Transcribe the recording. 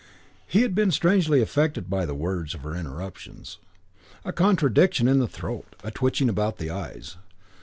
VIII He had been strangely affected by the words of her interruptions: a contraction in the throat, a twitching about the eyes....